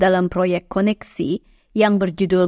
dalam proyek koneksi yang berjudul